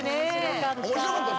面白かった。